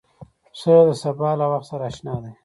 پسه د سبا له وخت سره اشنا دی.